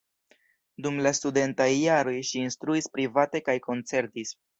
Dum la studentaj jaroj ŝi instruis private kaj koncertis.